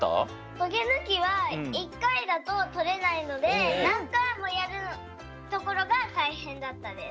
トゲぬきは１かいだととれないのでなんかいもやるところがたいへんだったです。